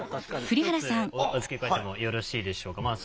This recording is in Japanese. １つ付け加えてもよろしいでしょうか？